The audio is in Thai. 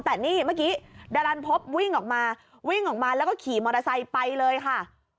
แต่นี่เมื่อกี้ดารันพบวิ่งออกมาวิ่งออกมาแล้วก็ขี่มอเตอร์ไซค์ไปเลยค่ะ